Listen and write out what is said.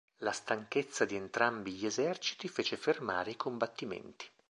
La stanchezza di entrambi gli eserciti fece fermare i combattimenti.